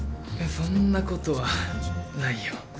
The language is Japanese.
そんなことはないよ。